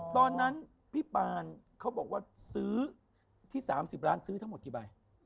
ตอนนั้นพี่ปานเขาบอกว่าซื้อที่๓๐ล้านซื้อทั้งหมดกี่ใบ